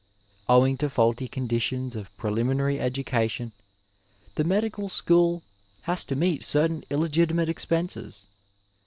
Owing to faulty conditions of preliminary education the medical school has to meet certain illegiti mate expenses.